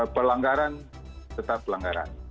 pelanggaran tetap pelanggaran